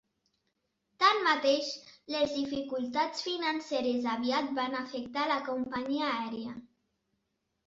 Tanmateix, les dificultats financeres aviat van afectar la companyia aèria.